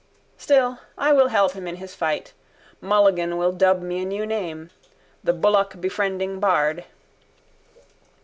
Still I will help him in his fight. Mulligan will dub me a new name: the bullockbefriending bard.